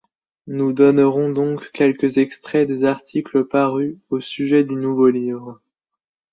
Nous donnerons donc quelques extraits des articles parus au sujet du nouveau livre.